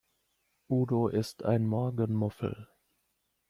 Udo ist ein Morgenmuffel.